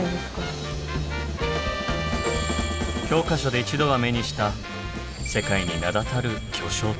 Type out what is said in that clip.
教科書で一度は目にした世界に名だたる巨匠たち。